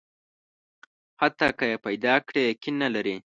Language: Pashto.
حتی که یې پیدا کړي، یقین نه لري.